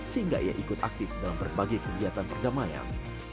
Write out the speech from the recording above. sehingga ia ikut aktif dalam berbagai kegiatan perdamaian